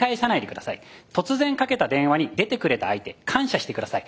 突然かけた電話に出てくれた相手感謝して下さい。